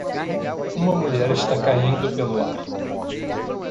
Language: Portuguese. Uma mulher está caindo pelo ar.